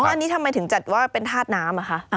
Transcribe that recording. อันนี้ทำไมถึงจัดว่าเป็นธาตุน้ำอะคะ